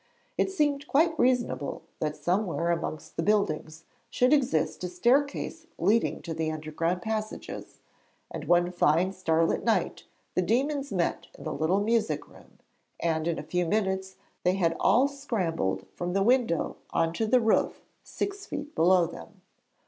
It seemed quite reasonable that somewhere amongst the buildings should exist a staircase leading to the underground passages, and one fine, starlight night the demons met in the little music room, and in a few minutes they had all scrambled from the window on to the roof six feet below them.